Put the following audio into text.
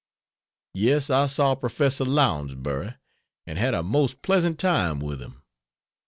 Yes, I saw Prof. Lounsbury, and had a most pleasant time with him.